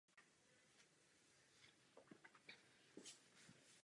Dobře.